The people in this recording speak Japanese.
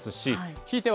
ひいては